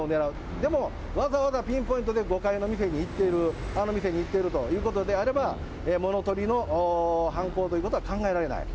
でも、わざわざピンポイントで５階の店に行っている、あの店に行っているということであれば、物とりの犯行ということは考えられない。